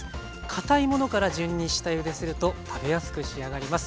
堅いものから順に下ゆですると食べやすく仕上がります。